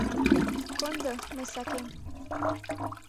— Кондо, мый сакем...